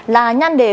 là nhan đề bài viết